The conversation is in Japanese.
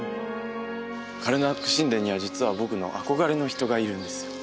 カルナック神殿には実は僕の憧れの人がいるんですよ